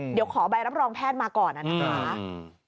เดี๋ยวขอใบรับรองแพทย์มาก่อนนะครับ